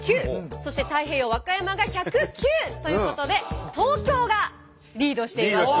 そして太平洋和歌山が１０９ということで東京がリードしていますね。